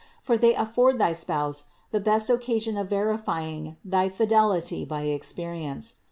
For they afford thy Spouse the best occasion of verifying thy fidelity by experience.